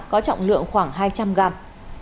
có trọng lượng khoảng hai trăm linh gram